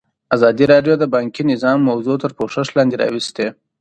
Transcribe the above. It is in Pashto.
ازادي راډیو د بانکي نظام موضوع تر پوښښ لاندې راوستې.